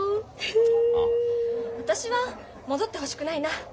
私は戻ってほしくないな。